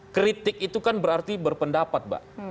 kritik itu kan berarti berpendapat mbak